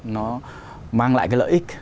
nó mang lại cái lợi ích